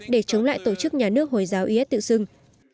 để chống lại tổ chức nhà nước hồi giáo is tự xưng